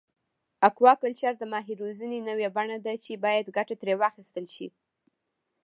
اکواکلچر د ماهي روزنې نوی بڼه ده چې باید ګټه ترې واخیستل شي.